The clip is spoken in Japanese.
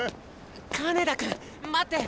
金田君待って！